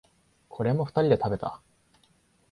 これも二人で食べた。